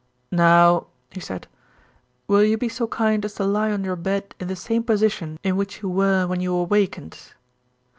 "Now," he said, "will you be so kind as to lie on your bed in the same position in which you were when you awakened."